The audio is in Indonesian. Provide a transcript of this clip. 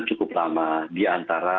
cukup lama diantara